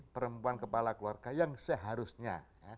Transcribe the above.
perempuan kepala keluarga yang seharusnya